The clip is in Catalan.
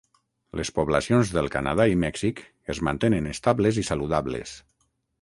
Les poblacions del Canadà i Mèxic es mantenen estables i saludables.